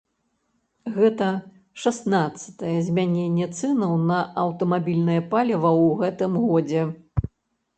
Гэта шаснаццатае змяненне цэнаў на аўтамабільнае паліва ў гэтым годзе.